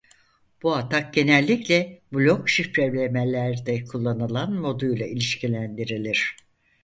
Bu atak genellikle blok şifrelemelerde kullanılan moduyla ilişkilendirilir.